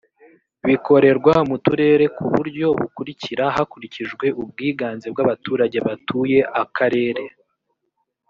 bikorerwa mu turere ku buryo bukurikira hakurikijwe ubwiganze bw’abaturage batuye akarere